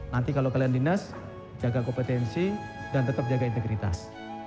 nanti kalau kalian dinas jaga kompetensi dan tetap jaga integritas